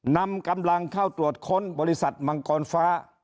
นำกำลังเข้าตรวจค้นบริษัทมังกรฟ้า